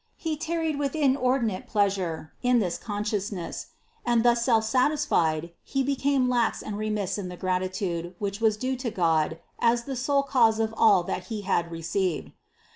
He tarried with inordinate pleasure in this consciousness; and thus self satisfied he became lax and remiss in the gratitude, which was due to God as the sole cause of all that he had received.